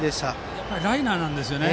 やっぱりライナーなんですよね。